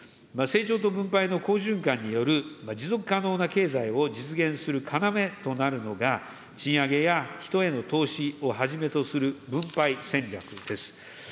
成長と分配の好循環による持続可能な経済を実現する要となるのが、賃上げや人への投資をはじめとする分配戦略です。